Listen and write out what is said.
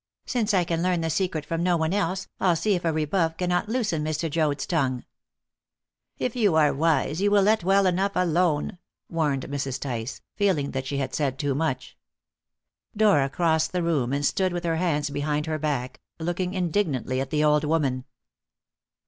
"Since I can learn the secret from no one else, I'll see if a rebuff cannot loosen Mr. Joad's tongue." "If you are wise, you will let well alone," warned Mrs. Tice, feeling that she had said too much. Dora crossed the room, and stood with her hands behind her back, looking indignantly at the old woman.